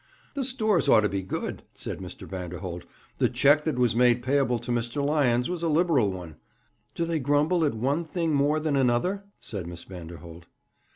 'The stores ought to be good,' said Mr. Vanderholt. 'The cheque that was made payable to Mr. Lyons was a liberal one.' 'Do they grumble at one thing more than another?' said Miss Vanderholt.